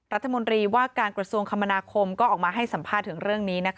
รัฐมนตรีว่าการกระทรวงคมนาคมก็ออกมาให้สัมภาษณ์ถึงเรื่องนี้